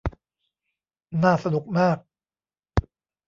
น่าสนุกมาก